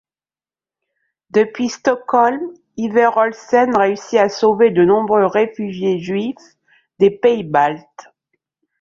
Depuis Stockholm, Iver Olsen réussit à sauver de nombreux réfugiés juifs des pays Baltes.